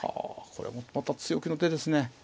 これもまた強気の手ですね。